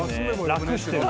楽してる。